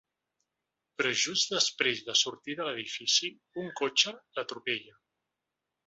Però just després de sortir de l’edifici, un cotxe l’atropella.